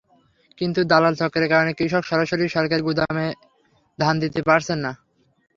কিন্তু দালাল চক্রের কারণে কৃষক সরাসরি সরকারি গুদামে ধান দিতে পারছেন না।